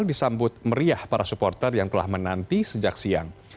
disambut meriah para supporter yang telah menanti sejak siang